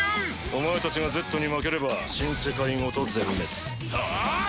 「お前たちがＺに負ければ新世界ごと全滅」